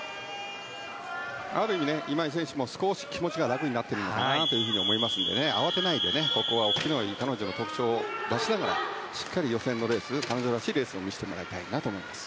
ある意味、今井選手も少し気持ちが楽になっているのかなと思いますので慌てないでここは彼女の特徴を出しながらしっかり予選のレースは彼女らしいレースを見せてもらいたいなと思います。